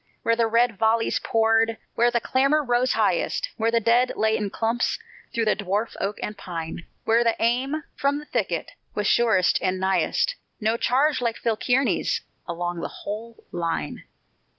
Where the red volleys poured, where the clamor rose highest, Where the dead lay in clumps through the dwarf oak and pine, Where the aim from the thicket was surest and nighest, No charge like Phil Kearny's along the whole line.